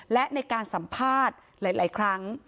และในการสัมภาษณ์หลายครั้ง